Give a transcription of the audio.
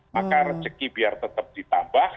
maka rezeki biar tetap ditambah